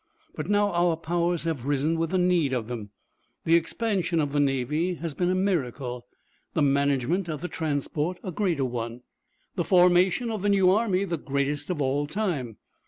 But now our powers have risen with the need of them. The expansion of the Navy has been a miracle, the management of the transport a greater one, the formation of the new Army the greatest of all time.